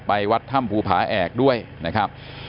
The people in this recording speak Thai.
วัดถ้ำภูผาแอกด้วยนะครับ